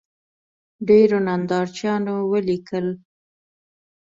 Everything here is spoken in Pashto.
ډېرو نندارچیانو ولیکل